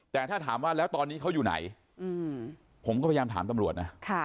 แต่ถ้าถามตอนนี้เขาอยู่ไหนผมก็ต้องตามตำรวจ